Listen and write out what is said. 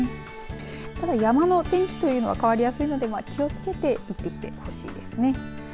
これ山の天気というのは変わりやすいので気をつけて行ってきてほしいですね。